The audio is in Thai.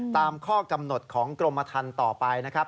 ตามข้อกำหนดของกรมทันต่อไปนะครับ